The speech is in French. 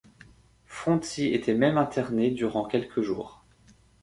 Fronty était même interné durant quelques jours.